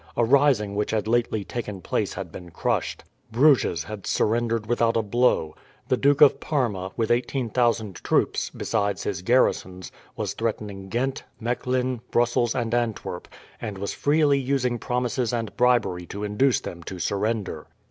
A rising which had lately taken place had been crushed. Bruges had surrendered without a blow. The Duke of Parma, with 18,000 troops, besides his garrisons, was threatening Ghent, Mechlin, Brussels, and Antwerp, and was freely using promises and bribery to induce them to surrender.